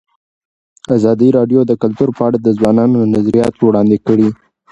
ازادي راډیو د کلتور په اړه د ځوانانو نظریات وړاندې کړي.